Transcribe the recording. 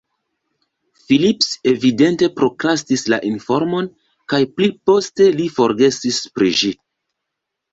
Phillips evidente prokrastis la informon kaj pli poste li forgesis pri ĝi.